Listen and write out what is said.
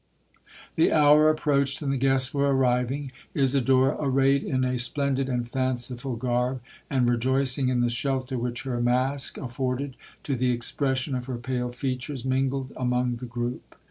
'The hour approached, and the guests were arriving. Isidora, arrayed in a splendid and fanciful garb, and rejoicing in the shelter which her mask afforded to the expression of her pale features, mingled among the groupe.